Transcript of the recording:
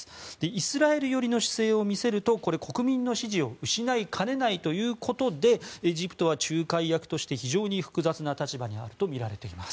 イスラエル寄りの姿勢を見せると国民の支持を失いかねないということでエジプトは仲介役として非常に複雑な立場にあるとみられています。